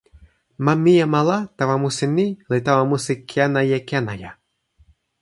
ma Mijama la tawa musi ni li tawa musi Kenajekenaja.